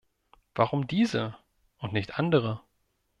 Warum diese und nicht andere?